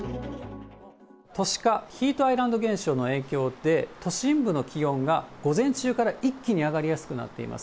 都市化、ヒートアイランド現象の影響で、都心部の気温が午前中から一気に上がりやすくなっています。